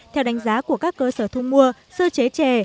theo đánh giá của các cơ sở thu mua sơ chế trè